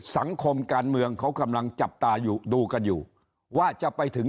สังคมการเมืองเขากำลังจับตาอยู่ดูกันอยู่ว่าจะไปถึง